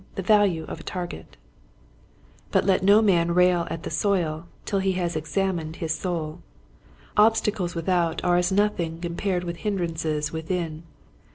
The Value of a Target, But let no man rail at the soil till he has examined his soul. Obstacles without are as nothing compared with hindrances with in.